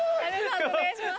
判定お願いします。